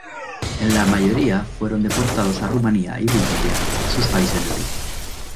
La mayoría fueron deportados a Rumania y Bulgaria, sus países de origen.